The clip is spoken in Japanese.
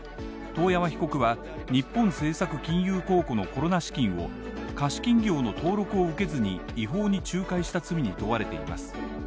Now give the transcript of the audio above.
遠山被告は日本政策金融公庫のコロナ資金を貸金業の登録を受けずに違法に仲介した罪に問われています。